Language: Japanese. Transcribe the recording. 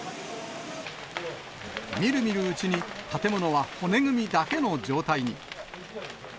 みるみるうちに、建物は骨組みだけの状態に。